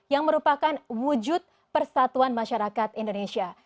yang merupakan wujud persatuan masyarakat indonesia